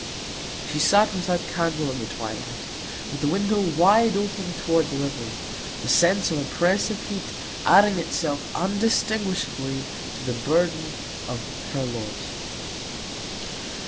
She sat without candle in the twilight, with the window wide open toward the river; the sense of oppressive heat adding itself undistinguishably to the burthen of her lot.